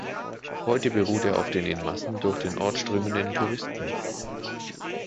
Heute beruht er auf den in Massen durch den Ort strömenden Touristen.